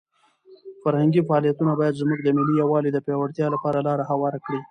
فرهنګي فعالیتونه باید زموږ د ملي یووالي د پیاوړتیا لپاره لاره هواره کړي.